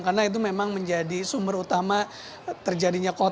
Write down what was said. karena itu memang menjadi sumber utama terjadinya kolonial